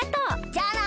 じゃあな。